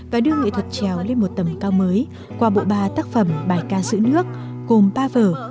và đưa nghệ thuật trèo lên một tầm cao mới qua bộ ba tác phẩm bài ca giữ nước gồm ba vở